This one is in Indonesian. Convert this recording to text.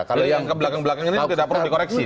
kalau yang ke belakang belakang ini tidak perlu dikoreksi